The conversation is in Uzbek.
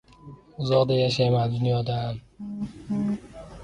uzoqda yashayman dunyodan…